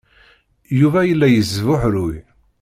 Yuba yella yesbuḥruy.